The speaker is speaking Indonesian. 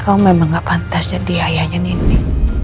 kamu memang gak pantas jadi ayahnya nini